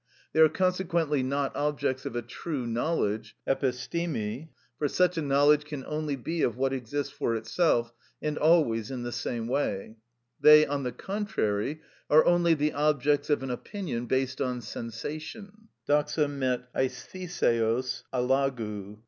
They are consequently not objects of a true knowledge (επιστημη), for such a knowledge can only be of what exists for itself, and always in the same way; they, on the contrary, are only the objects of an opinion based on sensation (δοξα μετ᾽ αισθησεως αλογου).